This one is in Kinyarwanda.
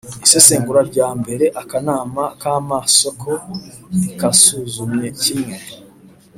isesengura rya mbere Akanama k amasoko ntikasuzumye kimwe